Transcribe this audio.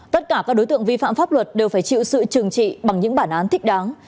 tất cả các đối tượng vi phạm pháp luật đều phải chịu sự trừng trị bằng những bản án thích đáng